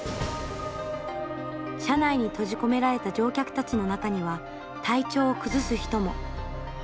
車内に閉じ込められた乗客たちの中には体調を崩す人も。